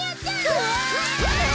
うわ！